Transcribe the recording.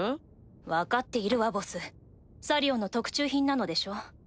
分かっているわボスサリオンの特注品なのでしょう？